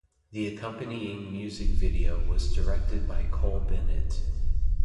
The accompanying music video was directed by Cole Bennett.